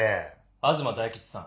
東大吉さん。